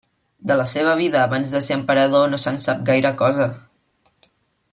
De la seva vida abans de ser emperador no se'n sap gaire cosa.